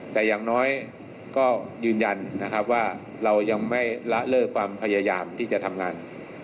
แต่อย่างน้อยก็ยืนยันนะครับว่าเรายังไม่ละเลิกความพยายามที่จะทำงาน